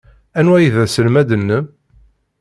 Anwa ay d aselmad-nnem?